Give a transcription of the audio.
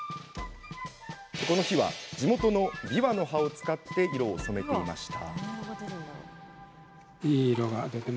この日は地元のびわの葉を使って色を染めていました。